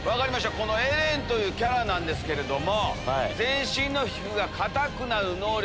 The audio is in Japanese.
エレンというキャラなんですけれども。